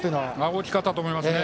大きかったと思いますね。